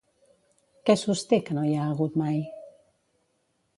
Què sosté que no hi ha hagut mai?